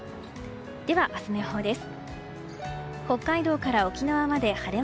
では、明日の予報です。